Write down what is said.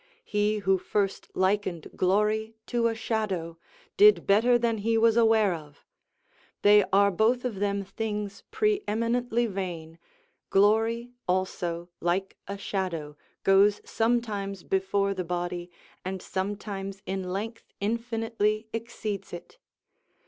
He who first likened glory to a shadow did better than he was aware of; they are both of them things pre eminently vain glory also, like a shadow, goes sometimes before the body, and sometimes in length infinitely exceeds it.